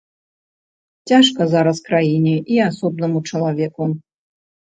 Цяжка зараз краіне і асобнаму чалавеку.